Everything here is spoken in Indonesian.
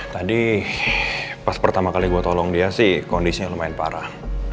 tadi pas pertama kali gue tolong dia sih kondisinya lumayan parah